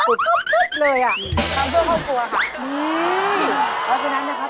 ต้องทำเพื่อเข้าตัวคะ